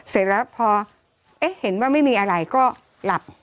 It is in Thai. เสร็จแล้วพอเห็นว่าไม่มีอะไรก็หลับ